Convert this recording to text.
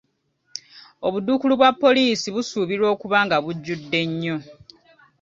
Obuduukulu bwa poliisi busuubirwa okuba nga bujjudde nnyo.